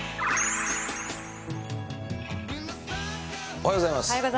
おはようございます。